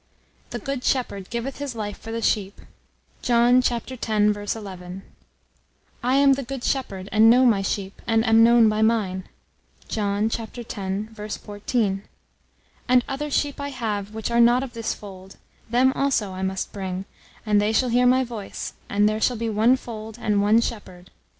"The good shepherd giveth his life for the sheep." John, x. 11. "I am the good shepherd, and know my sheep, and am known by mine." John, x. 14. "And other sheep I have which are not of this fold: them also I must bring, and they shall hear my voice: and there shall be one fold and one shepherd."